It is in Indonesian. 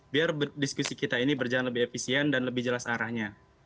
biar diskusi kita ini berjalan lebih efisien dan lebih jelas arahnya